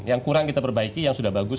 yang kurang kita perbaiki yang sudah bagus